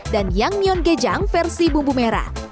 dan yang mion gejang versi bumbu merah